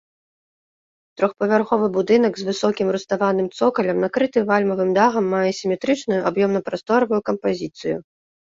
Трохпавярховы будынак з высокім руставаным цокалем, накрыты вальмавым дахам, мае асіметрычную аб'ёмна-прасторавую кампазіцыю.